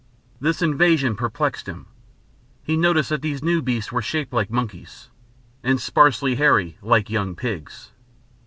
This invasion perplexed him. He noticed these new beasts were shaped like monkeys, and sparsely hairy like young pigs.